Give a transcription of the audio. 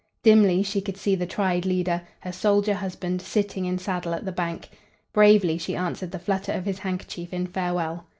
Dimly she could see the tried leader, her soldier husband, sitting in saddle at the bank. Bravely she answered the flutter of his handkerchief in farewell.